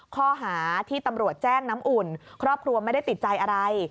ข้อหาที่ตำรวจแจ้งน้ำอุ่นครอบครัวไม่ได้ติดใจอะไร